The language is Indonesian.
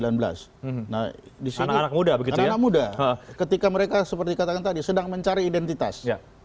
nah di sini anak anak muda ketika mereka seperti katakan tadi sedang mencari identitas